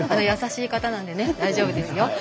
優しい方なので大丈夫ですよ。